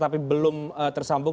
tapi belum tersambung